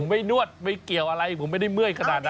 ไม่นวดไม่เกี่ยวอะไรผมไม่ได้เมื่อยขนาดนั้น